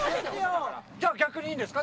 じゃあ逆にいいんですか？